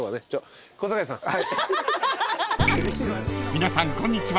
［皆さんこんにちは